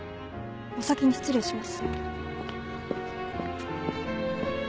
お先に失礼します。